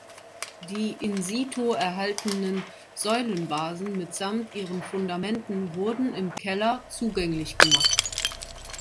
Die in situ erhaltenen Säulenbasen mitsamt ihren Fundamenten wurden im Keller zugänglich gemacht.